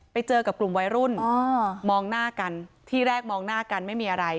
ไปเจอกับกลุ่มวัยรุ่นมองหน้ากันที่แรกมองหน้ากันไม่มีอะไร